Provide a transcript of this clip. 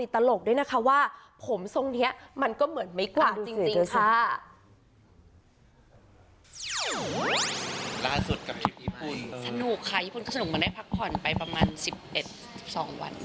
สนุกค่ะญี่ปุ่นก็สนุกไปได้พักผ่อนไปประมาณ๑๑๑๒วัน